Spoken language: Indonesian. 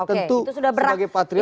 tentu sebagai patriot